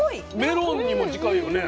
メロンにも近いよね。